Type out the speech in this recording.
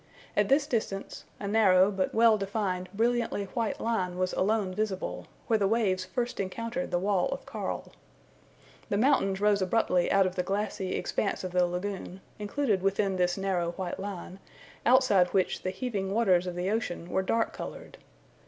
At this distance, a narrow but well defined brilliantly white line was alone visible, where the waves first encountered the wall of coral. The mountains rose abruptly out of the glassy expanse of the lagoon, included within this narrow white line, outside which the heaving waters of the ocean were dark coloured.